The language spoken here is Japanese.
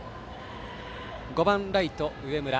５番ライト、上村。